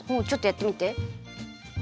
ちょっとやってみて。